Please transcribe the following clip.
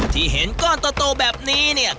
ที่เห็นก้อนโตแบบนี้เนี่ย